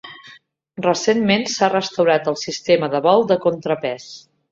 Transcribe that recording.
Recentment s'ha restaurat el sistema de vol de contrapès.